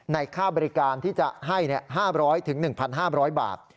ค่าบริการที่จะให้๕๐๐๑๕๐๐บาท